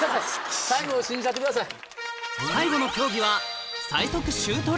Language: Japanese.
最後信じたってください。